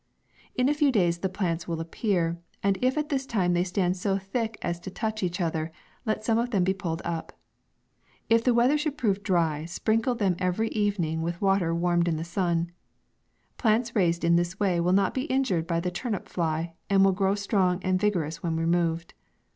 In a few days the plants will appear, and if at this time they stand so thick as to touch each other, let some of them be pulled up. If the weather should prove dry, sprinkle them every evening, with water warmed in the sun. Plants raised in this way, will not be injured by the turnip fly. and will grow strong and vigorous when removed.